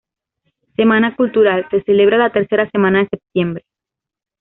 Semana cultural: Se celebra la tercera semana de septiembre.